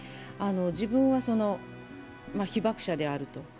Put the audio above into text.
「自分は被爆者である」と。